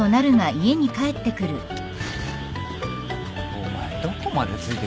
お前どこまでついてくんだよ。